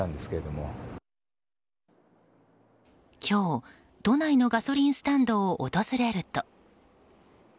今日、都内のガソリンスタンドを訪れると。